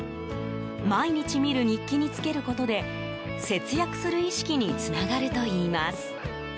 毎日見る日記につけることで節約する意識につながるといいます。